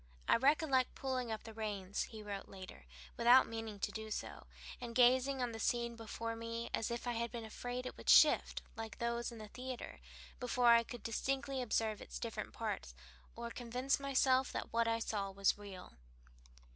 "I recollect pulling up the reins," he wrote later, "without meaning to do so, and gazing on the scene before me as if I had been afraid it would shift, like those in a theatre, before I could distinctly observe its different parts, or convince myself that what I saw was real."